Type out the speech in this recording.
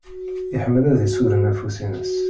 Iḥemmel ad isuden afus-ines.